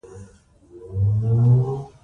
هرات د افغانستان د اقتصادي منابعو ارزښت زیاتوي.